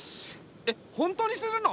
えっ本当にするの？